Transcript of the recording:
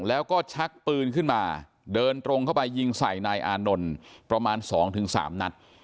แล้วก็ชักปืนขึ้นมาเดินตรงเข้าไปยิงใส่นายอานนท์ประมาณ๒๓นัด